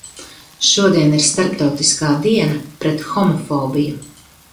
Šodien ir starptautiskā diena pret homofobiju.